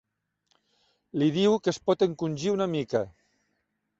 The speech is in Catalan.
L'hi diu que es pot encongir una mica.